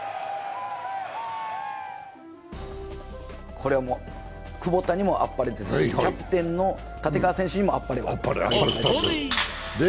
これはもう、クボタにもあっぱれですし、キャプテンの立川選手にもあっぱれです。